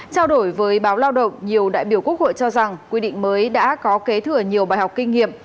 trao đổi với báo lao động nhiều đại biểu quốc hội cho rằng quy định mới đã có kế thừa nhiều bài học kinh nghiệm